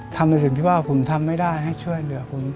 ในสิ่งที่ว่าผมทำไม่ได้ให้ช่วยเหลือผม